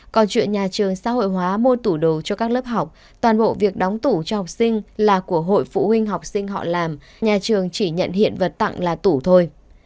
còn chuyện nhà trường xã hội hóa mua tủ đồ cho các lớp học toàn bộ việc đóng tủ cho học sinh là của hội phụ huynh học sinh họ làm nhà trường chỉ nhận hiện vật tặng là tủ thôi